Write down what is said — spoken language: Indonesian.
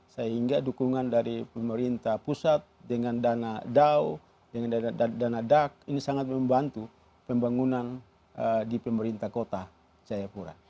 sehingga dukungan dari pemerintah pusat dengan dana dao dengan dana dak ini sangat membantu pembangunan di pemerintah kota jayapura